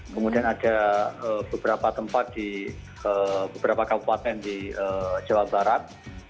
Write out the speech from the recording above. kemudian ada beberapa tempat di beberapa kabupaten di jawa barat